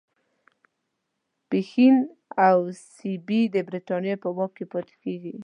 پښین او سیبی د برټانیې په واک کې پاتیږي.